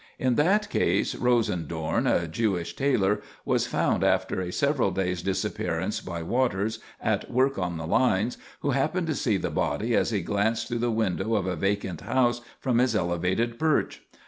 In that case Rosendorn, a Jewish tailor, was found after a several days' disappearance by Waters, at work on the lines, who happened to see the body as he glanced through the window of a vacant house from his elevated perch.